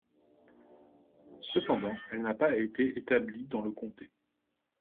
Cependant, elle n'a pas été établie dans le comté.